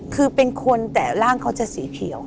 คือเป็นคนแต่ร่างเขาจะสีเขียว